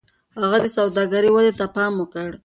هغه د سوداګرۍ ودې ته پام وکړ.